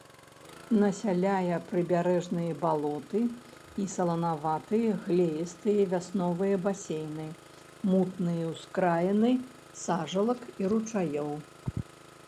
Насяляе прыбярэжныя балоты і саланаватыя глеістыя вясновыя басейны, мутныя ўскраіны сажалак і ручаёў.